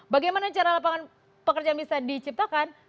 bagaimana cara lapangan pekerjaan bisa diciptakan